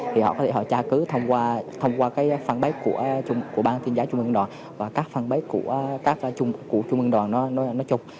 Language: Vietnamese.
thì họ có thể họ tra cứ thông qua phan bếp của bàn thiên giáo trung ương đoàn và các phan bếp của trung ương đoàn nó chụp